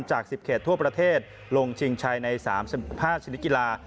จาก๑๐เขตทั่วประเทศลงชิงชัยใน๓๕ชนิดกีฬา